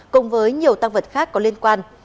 cùng với nhiều tăng vật khác có liên quan